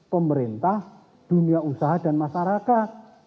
pemerintah dunia usaha dan masyarakat